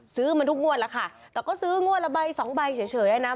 ซื้อมาทุกงวดแล้วค่ะแต่ก็ซื้องวดละใบสองใบเฉยอ่ะนะ